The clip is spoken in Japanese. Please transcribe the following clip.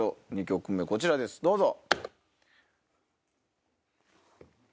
２曲目こちらですどうぞ。